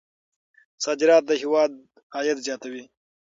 صادرات د هېواد عاید زیاتوي.